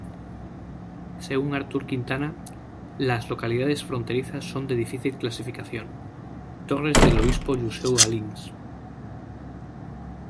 Según Artur Quintana, las localidades fronterizas son de difícil clasificación: Torres del Obispo-Juseu-Alins.